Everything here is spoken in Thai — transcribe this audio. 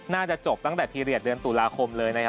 น่าจะจบตั้งแต่พีเรียสเดือนตุลาคมเลยนะครับ